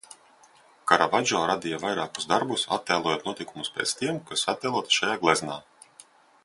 Karavadžo radīja vairākus darbus, attēlojot notikumus pēc tiem, kas attēloti šajā gleznā.